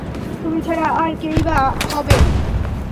তুমি ছাড়া আর কে-ই বা হবে?